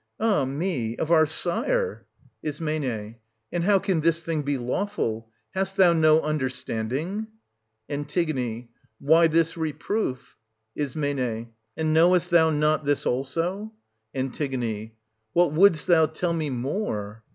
Ah me ! of our sire. Is. And how can this thing be lawful ? Hast thou no understanding ? 1730 An. Why this reproof? Is. And knowest thou not this also — An. What wouldst thou tell me more